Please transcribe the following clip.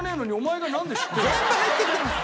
全部入ってきてます。